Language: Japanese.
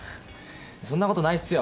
そんなことないっすよ。